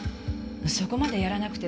そこまでやらなくても。